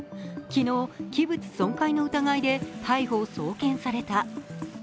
昨日、器物損壊の疑いで逮捕・送検された。